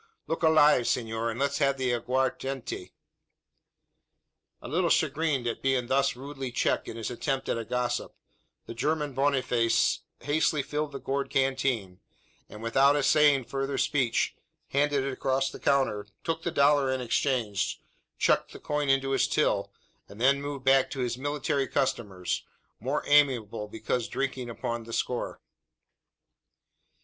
Look alive, senor, and let's have the aguardiente!" A little chagrined at being thus rudely checked in his attempt at a gossip, the German Boniface hastily filled the gourd canteen; and, without essaying farther speech, handed it across the counter, took the dollar in exchange, chucked the coin into his till, and then moved back to his military customers, more amiable because drinking upon the score.